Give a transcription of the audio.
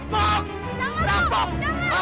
mau apa ini rampok